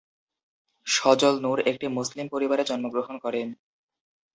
সজল নুর একটি মুসলিম পরিবারে জন্মগ্রহণ করেন।